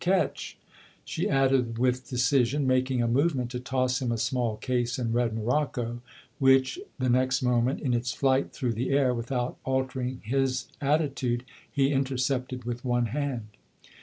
Catch !" she added with decision, making a movement to toss him a small case in red morocco, which, the next moment, in its flight through the air, without altering his attitude, he intercepted with one hand.